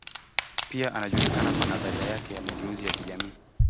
Pia anajulikana kwa nadharia yake ya mageuzi ya kijamii.